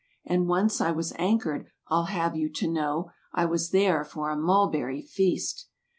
And once I was anchored. I'll have you to know, I was there for a mulberry feast.